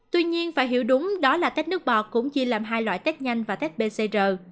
tuy nhiên phải hiểu đúng đó là tết nước bọt cũng chỉ làm hai loại tết nhanh và tết pcr